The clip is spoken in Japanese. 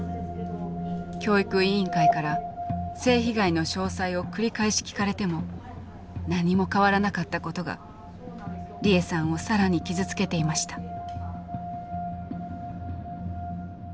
教育委員会から性被害の詳細を繰り返し聞かれても何も変わらなかったことが利枝さんを更に傷つけていました。